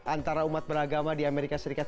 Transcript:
antara umat beragama di amerika serikat